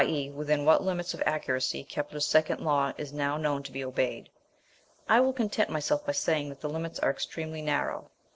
e._ within what limits of accuracy Kepler's second law is now known to be obeyed. I will content myself by saying that the limits are extremely narrow.